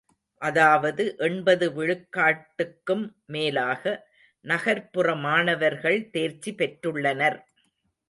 அதாவது எண்பது விழுக்காட்டுக்கும் மேலாக நகர்ப்புற மாணவர்கள் தேர்ச்சி பெற்றுள்ளனர்.